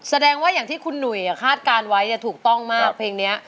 แสดงว่าอย่างที่คุณหนุ่ยคาดการณ์ไว้ถูกต้องมากเพลงนี้